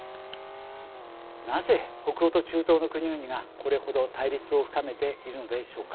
なぜ北欧と中東の国々がこれほど対立を深めているのでしょうか。